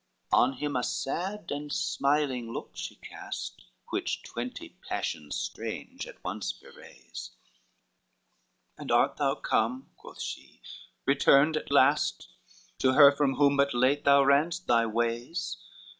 XXXI On him a sad and smiling look she cast, Which twenty passions strange at once bewrays: "And art thou come," quoth she, "returned at last To her from whom but late thou ran'st thy ways?